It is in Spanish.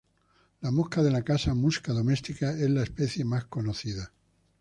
La mosca de la casa, "Musca domestica", es la especie más conocida.